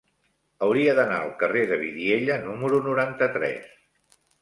Hauria d'anar al carrer de Vidiella número noranta-tres.